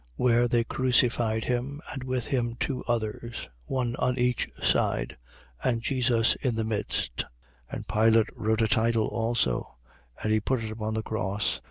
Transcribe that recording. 19:18. Where they crucified him, and with him two others, one on each side, and Jesus in the midst. 19:19. And Pilate wrote a title also: and he put it upon the cross.